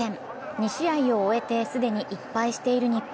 ２試合を終えて既に１敗している日本。